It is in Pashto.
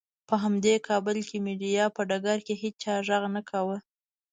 په همدې کابل کې مېډیا په ډګر کې هېچا غږ نه کاوه.